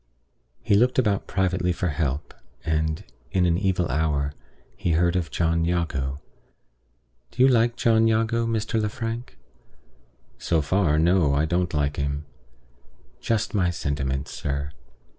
he looked about privately for help; and, in an evil hour, he heard of John Jago. Do you like John Jago, Mr. Lefrank?" "So far, no. I don't like him." "Just my sentiments, sir.